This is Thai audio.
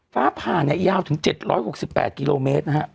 ฟ้าผ่าเนี่ยยาวถึง๗๖๘กิโลเมตรนะฮะ